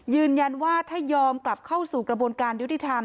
ยืนยันว่าถ้ายอมกลับเข้าสู่กระบวนการยุติธรรม